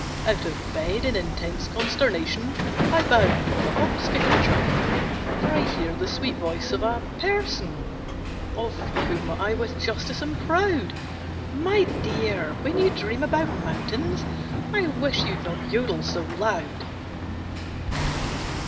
Out of bed, in intense consternation, I bound with a hop, skip, and jump. For I hear the sweet voice of a "person" Of whom I with justice am proud, "_My dear, when you dream about mountains, I wish you'd not jodel so loud!